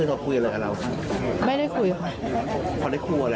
นอนในตรงอ้อยค่ะ